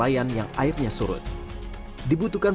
ikan pari tersebut ditemukan di salah satu jaring